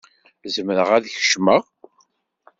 Zemreɣ ad kecmeɣ?